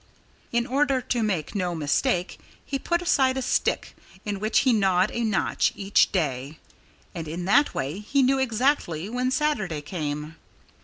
In order to make no mistake, he put aside a stick in which he gnawed a notch each day. And in that way he knew exactly when Saturday came.